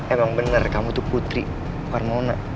emang bener kamu tuh putri bukan mauna